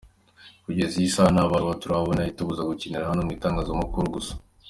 Kugeza iyi saha nta baruwa turabona itubuza gukinira hano, ni mu itangazamakuru gusa.